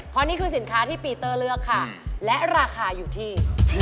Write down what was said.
เพราะนี่คือสินค้าที่ปีเตอร์เลือกค่ะและราคาอยู่ที่